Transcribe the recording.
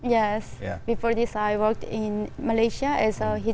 ya sebelum ini saya bekerja di malaysia sebagai model hijab